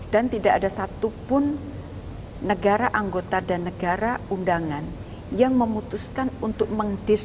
dan tidak ada satupun negara anggota dan negara undangan yang memutuskan untuk mengintervene